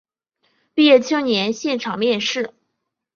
毕业青年现场面试